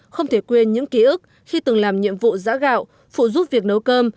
không thể quên những ký ức khi từng làm nhiệm vụ giã gạo phụ giúp việc nấu cơm